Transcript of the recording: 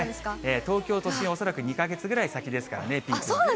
東京都心、恐らく２か月ぐらい先ですからね、ピーク。